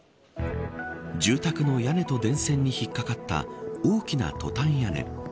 住宅の屋根と電線に引っかかった大きなトタン屋根。